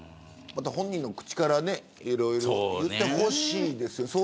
本人の口からいろいろ言ってほしいです。